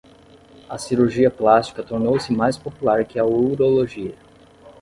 A cirurgia plástica tornou-se mais popular que a urologia.